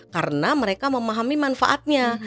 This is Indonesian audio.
karena mereka memahami manfaatnya